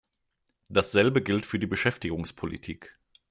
Dasselbe gilt für die Beschäftigungspolitik.